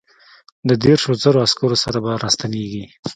د دیرشو زرو عسکرو سره به را ستنېږي.